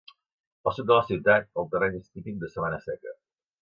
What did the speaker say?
Al sud de la ciutat, el terreny és típic de sabana seca.